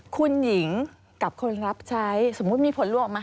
คุณหญิงกับคนรับใช้สมมุติมีผลลวกออกมา